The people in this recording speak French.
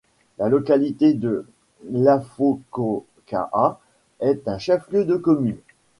La localité de Lafokokaha est un chef-lieu de commune.